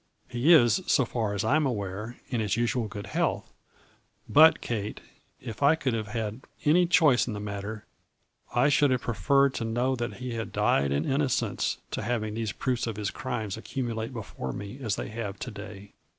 He is, so far as I am aware, in his usual good health, but, Kate, if I could have had any choice in the matter, I should have preferred to know that he had died in innocence to having these proofs of his crimes accumulate before me as they have to day